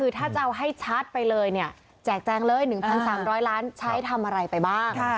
ถ้าจะเอาให้ชัดไปเลยเนี่ยแจกแจงเลย๑๓๐๐ล้านใช้ทำอะไรไปบ้าง